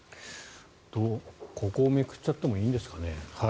ここをめくっちゃってもいいんですかね。